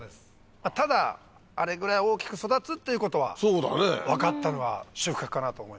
ただあれぐらい大きく育つということは分かったのは収穫かなと思います。